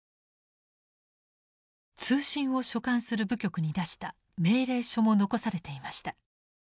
通信を所管する部局に出した命令書も残されていました。